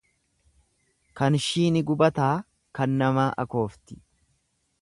Kanshii ni gubataa kan namaa akoofti